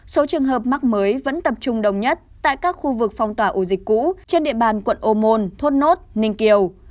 số trường hợp mắc mới vẫn tập trung đông nhất tại các khu vực phong tỏa ổ dịch cũ trên địa bàn quận ô môn thốt nốt ninh kiều